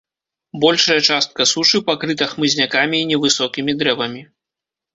Большая частка сушы пакрыта хмызнякамі і невысокімі дрэвамі.